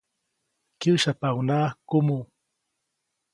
Kyäsyapaʼuŋnaʼak kumuʼ.